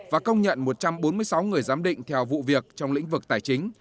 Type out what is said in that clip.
và công nhận một trăm bốn mươi sáu người giám định theo vụ việc trong lĩnh vực tài chính